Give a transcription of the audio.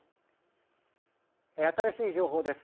新しい情報です。